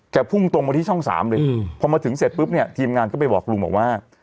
พุ่งตรงมาที่ช่อง๓เลยพอมาถึงเสร็จปุ๊บเนี่ยทีมงานก็ไปบอกลุงบอกว่า